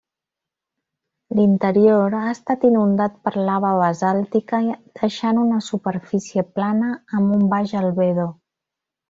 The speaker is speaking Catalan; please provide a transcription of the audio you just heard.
L'interior ha estat inundat per lava basàltica, deixant una superfície plana amb un baix albedo.